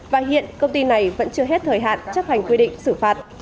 và hiện công ty này vẫn chưa hết thời hạn chấp hành quy định xử phạt